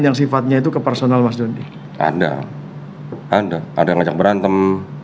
yang sifatnya itu kepersonal mas dondi ada ada ada ngajak berantem